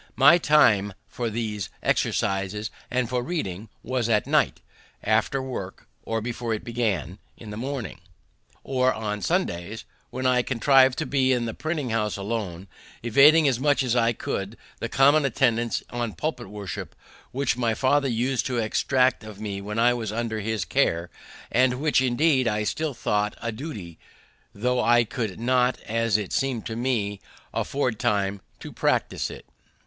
My time for these exercises and for reading was at night, after work or before it began in the morning, or on Sundays, when I contrived to be in the printing house alone, evading as much as I could the common attendance on public worship which my father used to exact of me when I was under his care, and which indeed I still thought a duty, thought I could not, as it seemed to me, afford time to practise it.